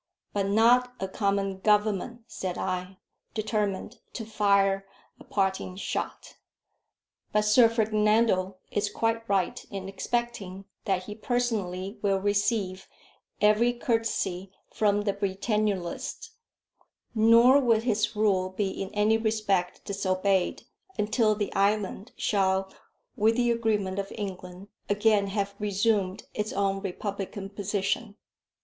"But not a common Government," said I, determined to fire a parting shot. "But Sir Ferdinando is quite right in expecting that he personally will receive every courtesy from the Britannulists. Nor will his rule be in any respect disobeyed until the island shall, with the agreement of England, again have resumed its own republican position."